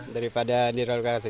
daripada di relokasi